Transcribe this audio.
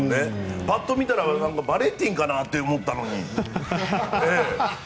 パッと見たらバレンティンかなと思ったのに。